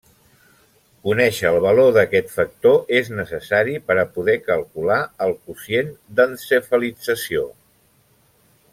Conèixer el valor d'aquest factor és necessari per a poder calcular el Quocient d'encefalització.